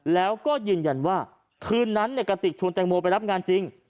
แล้วก็ยืนยันว่าคืนนั้นกระติกชวนแตงโมไปรับงานจริง